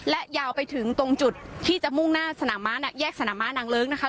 และยาวไปถึงตรงจุดที่จะมุ่งหน้าสนามม้าแยกสนามม้านางเลิ้งนะคะ